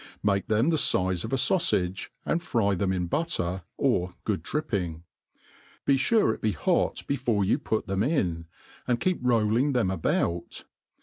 Make them the fize of a faufage, and fry them in butter^ or good dripping. Be fure it be hot before you put them in, and keep rolling them about.